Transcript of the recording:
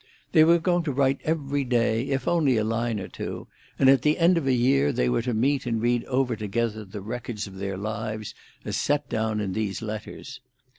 They were going to write every day, if only a line or two; and at the end of a year they were to meet and read over together the records of their lives as set down in these letters.